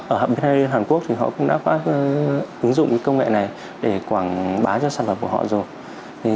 ở hei hàn quốc thì họ cũng đã có ứng dụng công nghệ này để quảng bá cho sản phẩm của họ rồi